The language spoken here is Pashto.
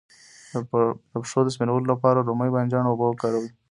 د پښو د سپینولو لپاره د رومي بانجان اوبه وکاروئ